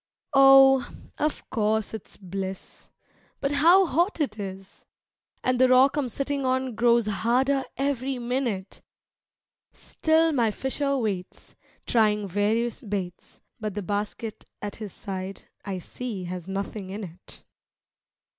Oh, of course it's bliss, but how hot it is! And the rock I'm sitting on grows harder every minute; Still my fisher waits, trying various baits, But the basket at his side I see has nothing in it.